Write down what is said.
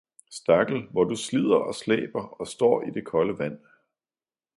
Stakkel, hvor du slider og slæber og står i det kolde vand!